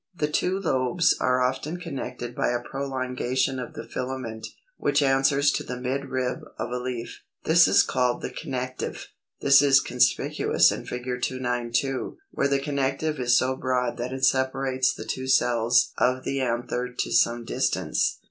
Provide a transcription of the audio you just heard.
The two lobes are often connected by a prolongation of the filament, which answers to the midrib of a leaf; this is called the CONNECTIVE. This is conspicuous in Fig. 292, where the connective is so broad that it separates the two cells of the anther to some distance.